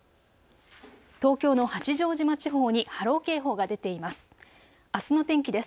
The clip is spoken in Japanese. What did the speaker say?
東京の八丈島地方に波浪警報が出ています。